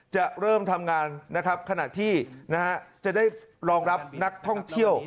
จะเริ่มทำงานนะครับขณะที่จะได้รองรับนักท่องเที่ยว